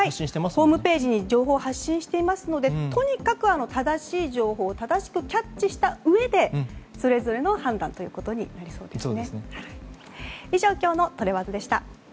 ホームページに情報を発信していますのでとにかく正しい情報を正しくキャッチしたうえでそれぞれの判断となりそうですね。